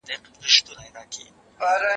ماشوم د انا پښې په کلکه نیولې وې.